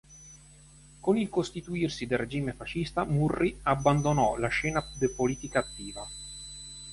Con il costituirsi del regime fascista, Murri abbandonò la scena politica attiva.